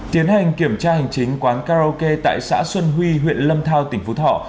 tiến hành kiểm tra hành chính quán karaoke tại xã xuân huy huyện lâm thao tỉnh phú thọ